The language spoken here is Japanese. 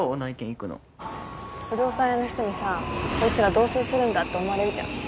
不動産屋の人にさ「こいつら同棲するんだ」って思われるじゃん。